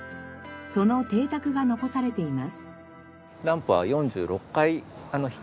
その邸宅が残されています。